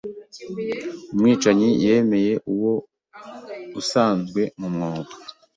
Umwicanyi yemeye uwo usanzwe mu mwobo